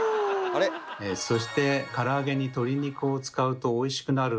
そしてから揚げに鶏肉を使うとおいしくなる